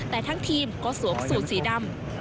แต่ทั้งทีมก็สวมสูตรสีดำ